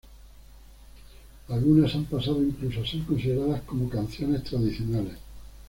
Algunas han pasado incluso a ser consideradas como canciones tradicionales.